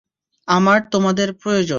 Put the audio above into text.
আমার তোমাদের প্রয়োজন।